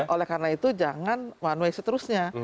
oleh karena itu jangan one way seterusnya